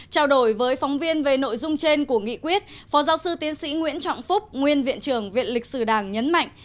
trao đổi với phóng viên về nội dung trên của nghị quyết phó giáo sư tiến sĩ nguyễn trọng phúc nguyên viện trưởng viện lịch sử đảng nhấn mạnh